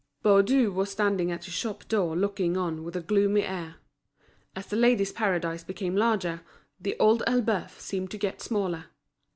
Baudu was standing at his shop door looking on with a gloomy air. As The Ladies' Paradise became larger. The Old Elbeuf seemed to get smaller.